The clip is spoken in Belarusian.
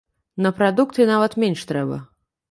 На прадукты нават менш трэба.